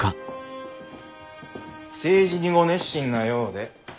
政治にご熱心なようで。